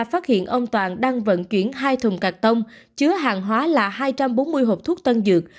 phát hiện ông toàn đang vận chuyển hai thùng cắt tông chứa hàng hóa là hai trăm bốn mươi hộp thuốc tân dược